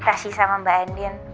aku mau pergi sama mbak andin